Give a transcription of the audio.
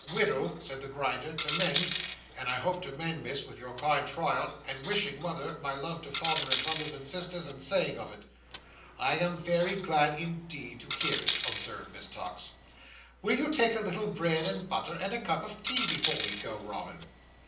"—widdle," said the Grinder, "to mend; and I hope to mend, Miss, with your kind trial; and wishing, Mother, my love to father, and brothers and sisters, and saying of it." "I am very glad indeed to hear it," observed Miss Tox. "Will you take a little bread and butter, and a cup of tea, before we go, Robin?"